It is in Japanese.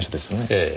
ええ。